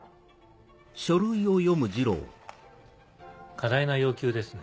過大な要求ですね。